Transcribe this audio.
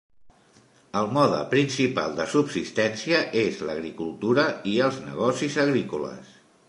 El mode principal de subsistència és l'agricultura i els negocis agrícoles.